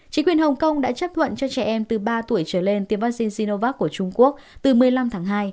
chính quyền hồng kông đã chấp thuận cho trẻ em từ ba tuổi trở lên tiêm vaccine zinovac của trung quốc từ một mươi năm tháng hai